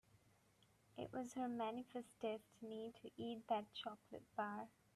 It was her manifest destiny to eat that chocolate bar.